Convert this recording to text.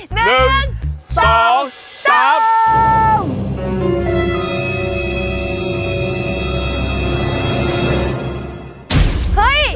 เฮ้ยแดงหมดเลย